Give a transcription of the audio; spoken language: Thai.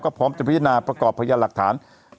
พร้อมจะพิจารณาประกอบพยานหลักฐาน